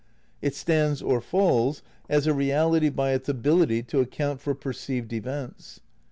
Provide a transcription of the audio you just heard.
It stands or falls as a reality by its ability to account for perceived events.